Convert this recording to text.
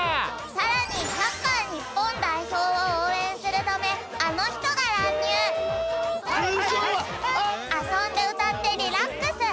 さらにサッカー日本代表をおうえんするためあのひとがらんにゅう遊んでうたってリラックス。